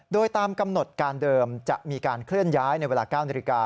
โดยตามกำหนดการเดิมจะมีการเคลื่อนย้ายในเวลา๙นาฬิกา